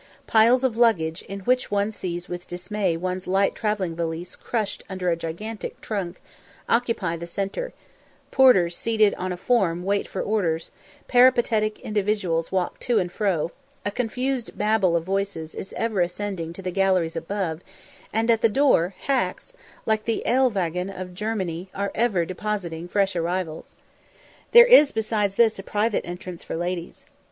Piles of luggage, in which one sees with dismay one's light travelling valise crushed under a gigantic trunk, occupy the centre; porters seated on a form wait for orders; peripatetic individuals walk to and fro; a confused Babel of voices is ever ascending to the galleries above; and at the door, hacks, like the "eilwagon" of Germany, are ever depositing fresh arrivals. There is besides this a private entrance for ladies.